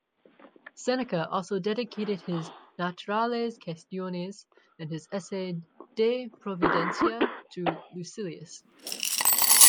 Seneca also dedicated his "Naturales Quaestiones" and his essay "De Providentia" to Lucilius.